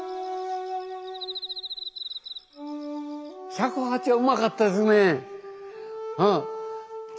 尺八はうまかったですねうん。